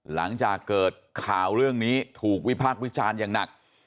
หลังจากเกิดข่าวเรื่องนี้ถูกวิพากษ์วิจารณ์อย่างหนัก